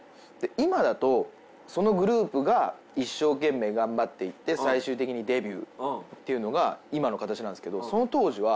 今だとそのグループが一生懸命頑張っていって最終的にデビューっていうのが今の形なんですけどその当時は。